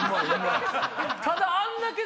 ただあんだけ。